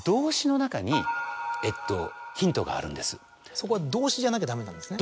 そこは動詞じゃなきゃダメなんですね。